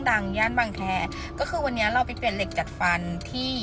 ย่านบางแคร์ก็คือวันนี้เราไปเปลี่ยนเหล็กจัดฟันที่